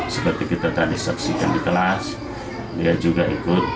seperti kita tadi saksikan di kelas dia juga ikut